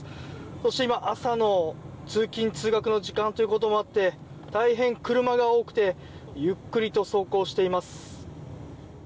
そして、朝の通勤・通学の時間ということもあって大変車が多くてゆっくりと走行しています。